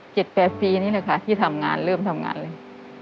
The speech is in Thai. แปดปีนี่แหละค่ะที่ทำงานเริ่มทำงานเลย